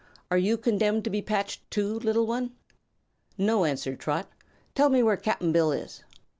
"Are you condemned to be patched, too, little one?" "No," answered Trot. "Tell me where Cap'n Bill is."